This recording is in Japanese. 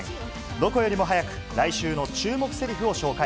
どこよりも早く、来週の注目せりふを紹介。